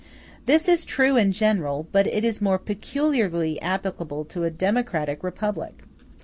This is true in general, but it is more peculiarly applicable to a democratic republic.